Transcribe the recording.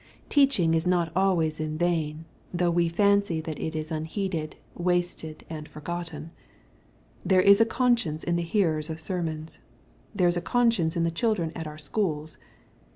Teaching is not always in vain, though we fancy that it is unheeded, wasted, and forgotten. There is a conscience in the hearers of sermons. There is a conscience in the children at our schools.